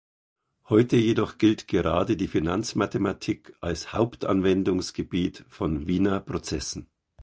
Heute jedoch gilt gerade die Finanzmathematik als Hauptanwendungsgebiet von Wiener-Prozessen.